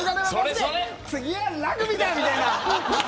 次は、ラグビーだみたいな。